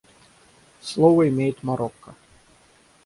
Слово имеет Марокко.